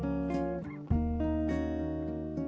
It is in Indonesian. yang baru di minjseason